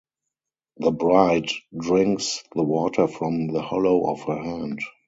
The bride drinks the water from the hollow of her hand.